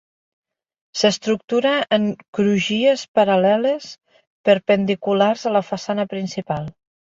S'estructura en crugies paral·leles, perpendiculars a la façana principal.